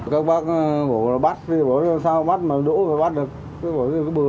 các bác bổ là bắt bỏ ra sao bắt mà đổ là bắt được